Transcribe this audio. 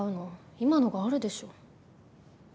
今のがあるでしょ？